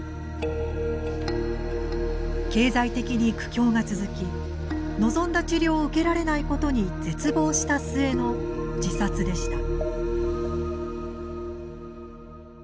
経済的に苦境が続き望んだ治療を受けられないことに絶望した末の自殺でした。